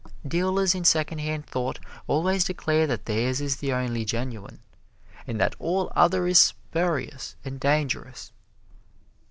Dealers in Secondhand Thought always declare that theirs is the only genuine, and that all other is spurious and dangerous.